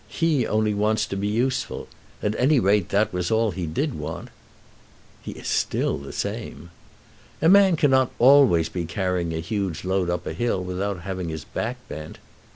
He only wants to be useful. At any rate, that was all he did want." "He is still the same." "A man cannot always be carrying a huge load up a hill without having his back bent."